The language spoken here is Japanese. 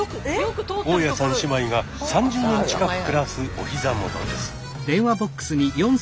大家さん姉妹が３０年近く暮らすお膝元です。